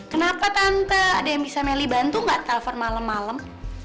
kenapa tante ada yang bisa meli bantu gak telpon malem malem